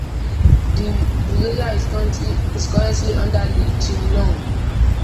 The bureau is currently under Lei Chin Ion.